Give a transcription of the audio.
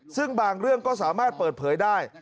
ซึ่งบางเรื่องก็สามารถเปิดเผยได้